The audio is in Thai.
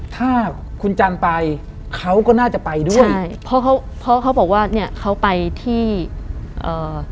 ถ้าคุณจันทร์ไปเขาก็น่าจะไปด้วยใช่เพราะเขาเพราะเขาบอกว่าเนี้ยเขาไปที่เอ่อ